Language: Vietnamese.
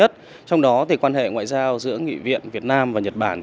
trong đó thì quan hệ ngoại giao giữa nghị viện việt nam và nhật bản